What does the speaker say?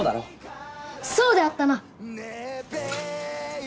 そうであったな！